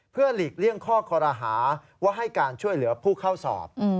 เพื่อหลีกเลี่ยงข้อคอรหาว่าให้การช่วยเหลือผู้เข้าสอบ